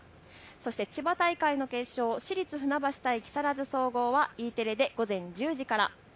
そして千葉大会の決勝、市立船橋対木更津総合はＥテレで午前１０時から。